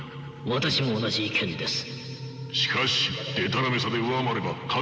私も同じ意見です。